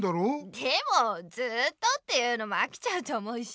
でもずっとっていうのもあきちゃうと思うし。